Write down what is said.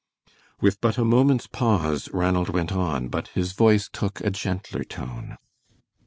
With but a moment's pause Ranald went on, but his voice took a gentler tone.